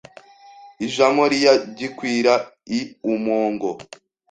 ijamo ria gikwira i umogo